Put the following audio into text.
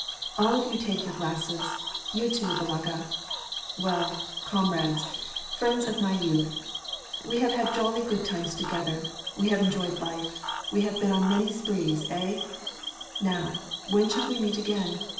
" AH of you take your glasses, you too, Balaga. Well, comrades, — friends of my youth, — we have had jolly good times together, we have enjoyed life, we have been on many sprees, hey ? Now, when shall we meet again